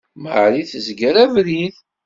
Marie tezger abrid.